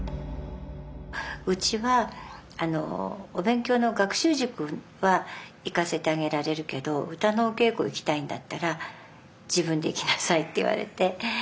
うちはお勉強の学習塾は行かせてあげられるけど歌のお稽古行きたいんだったら自分で行きなさいって言われて。